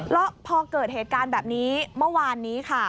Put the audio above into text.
แล้วพอเกิดเหตุการณ์แบบนี้เมื่อวานนี้ค่ะ